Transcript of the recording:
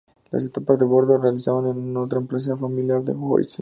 Las etapas de bordado se realizaban en otra empresa familiar en l’Oise.